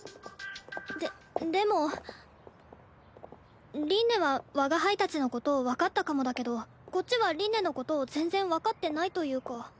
ででも凛音は我が輩たちのことを分かったかもだけどこっちは凛音のことを全然分かってないというか。